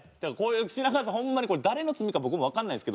品川さんホンマに誰の罪か僕もわかんないんですけど。